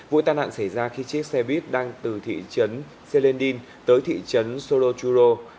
vụ tàn nạn xảy ra khi chiếc xe bus đang từ thị trấn selendin tới thị trấn soroturo